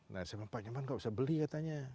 nah saya bilang pak juman nggak usah beli katanya